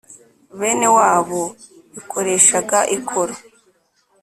bene wabo bikoreshaga ikoro